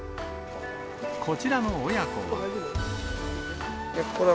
こちらの親子は。